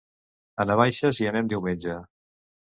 A Navaixes hi anem diumenge.